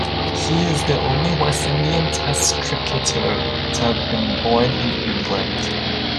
He is the only West Indian Test cricketer to have been born in England.